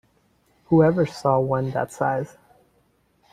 Who ever saw one that size?